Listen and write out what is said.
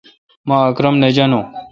مہ اکرم نہ جانوُن۔